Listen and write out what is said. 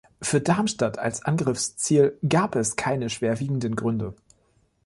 Für Darmstadt als Angriffsziel gab es keine schwerwiegenden Gründe.